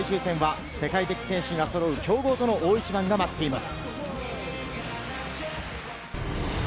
来月５日の国内最終戦は世界的選手が揃う強豪との大一番が待っています。